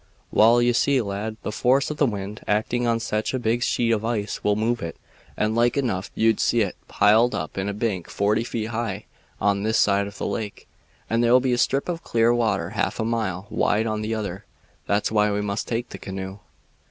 "Waal, you see, lad, the force of the wind acting on sech a big sheet of ice will move it, and like enough you'd see it piled up in a bank forty feet high on this side of the lake, and there'll be a strip of clear water half a mile wide on the other. That's why we must take the canoe."